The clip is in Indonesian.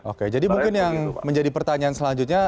oke jadi mungkin yang menjadi pertanyaan selanjutnya